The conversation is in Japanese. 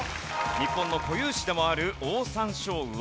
日本の固有種でもあるオオサンショウウオ。